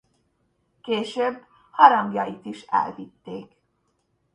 Később harangjait is elvitték.